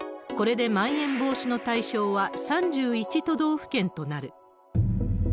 これでまん延防止の対象は３１都道府県となる。